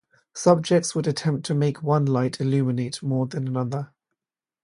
Subjects would attempt to make one light illuminate more than another.